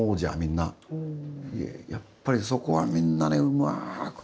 やっぱりそこはみんなねうまく